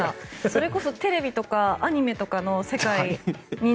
それこそテレビとかアニメとかの世界に。